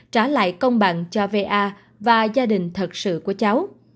trả lại công bằng cho va và gia đình thật sự của cháu